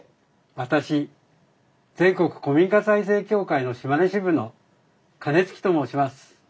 私全国古民家再生協会の島根支部の金築と申します。